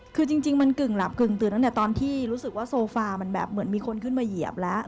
คือจริงมันกึ่งหลับกึ่งตื่นตั้งแต่ตอนที่รู้สึกว่าโซฟามันแบบเหมือนมีคนขึ้นมาเหยียบแล้ว